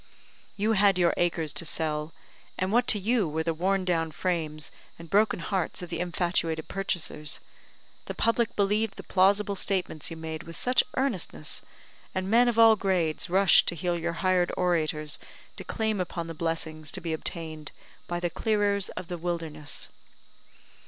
You had your acres to sell, and what to you were the worn down frames and broken hearts of the infatuated purchasers? The public believed the plausible statements you made with such earnestness, and men of all grades rushed to hear your hired orators declaim upon the blessings to be obtained by the clearers of the wilderness.